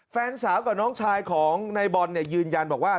แฟนสาวกับน้องชายของนายบอลเนี่ยยืนยันบอกว่า